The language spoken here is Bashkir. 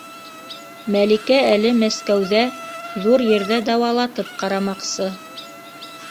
Мәликә әле Мәскәүҙә, ҙур ерҙә дауалатып ҡарамаҡсы...